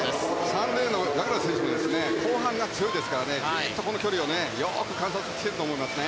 ３レーンのダグラス選手も後半が強いですからこの距離をよく観察してると思います。